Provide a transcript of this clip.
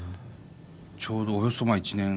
ちょうどおよそ１年？